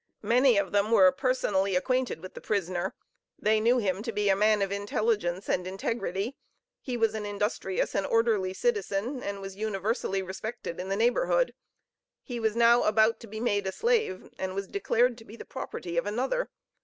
Many of them were personally acquainted with the prisoner; they knew him to be a man of intelligence and integrity; he was an industrious and orderly citizen, and was universally respected in the neighborhood. He was now about to be made a slave, and was declared to be the property of another.